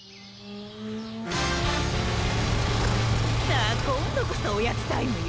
さあこんどこそおやつタイムよ。